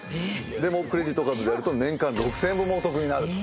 でもクレジットカードでやると年間６，０００円もお得になる。